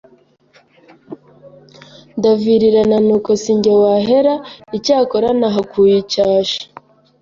ndavirirana nuko sinjye wahera icyakora nahakuye icyasha,